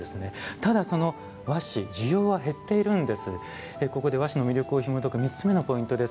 ただ、その和紙需要は減っているんです。